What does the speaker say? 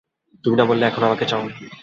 তুমি না বললে এখনো আমাকে চাও।